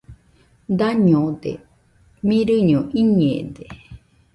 Dañode, mirɨño iñede.